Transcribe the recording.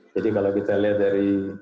jadi kalau kita lihat dari